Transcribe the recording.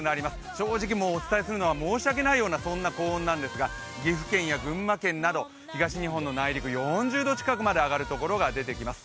正直、お伝えするのは申し訳ないような高温なんですが岐阜県や群馬県など東日本の内陸、４０度近くまで上がるところが出てきます。